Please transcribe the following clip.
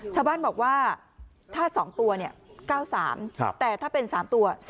ชาวบ้านบอกว่าถ้า๒ตัว๙๓แต่ถ้าเป็น๓ตัว